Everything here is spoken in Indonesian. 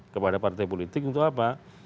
kepada partai politik untuk apa